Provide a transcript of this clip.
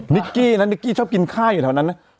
นิกกี้นะนิกกี้ชอบกินข้าวอยู่แถวนั้นนะ